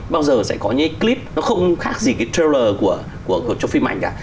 bao giờ sẽ có những clip nó không khác gì trailer của chụp phim ảnh cả